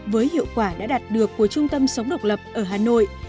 với hiệu quả đã đạt được của trung tâm sống độc lập ở hà nội